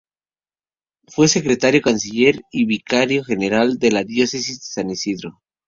Fue secretario canciller y vicario general de la diócesis de San Isidro.